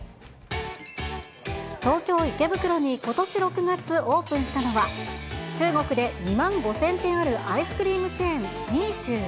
東京・池袋にことし６月オープンしたのは、中国で２万５０００店あるアイスクリームチェーン、ミーシュー。